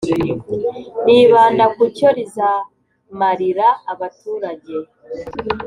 nibanda ku cyo rizamarira abaturage